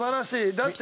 だって。